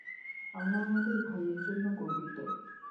আমরা আমাদের ভাইয়ের জন্য গর্বিত।